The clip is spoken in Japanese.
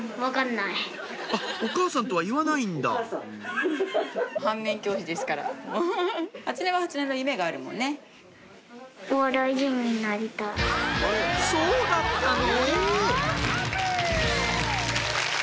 「お母さん」とは言わないんだそうだったの？